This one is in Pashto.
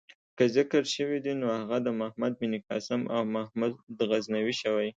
که ذکر شوی دی نو هغه د محمد بن قاسم او محمود غزنوي شوی.